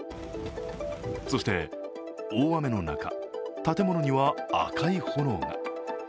そして、大雨の中建物には赤い炎が。